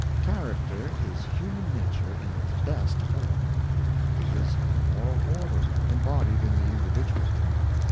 Character is human nature in its best form. It is moral order embodied in the individual.